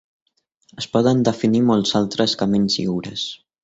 Es poden definir molts altres camins lliures.